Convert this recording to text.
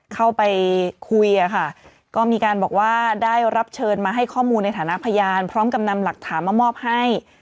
เข้าไปคุยอะค่ะก็มีการบอกว่าได้รับเชิญมาให้ข้อมูลในฐานะพยานพร้อมกับนำหลักฐานมามอบให้